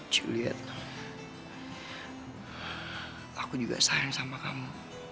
juliet aku juga sayang sama kamu